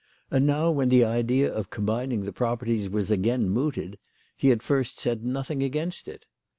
And now when the idea of combining the properties was again mooted, he at first said nothing against it.